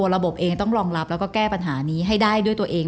ระบบเองต้องรองรับแล้วก็แก้ปัญหานี้ให้ได้ด้วยตัวเอง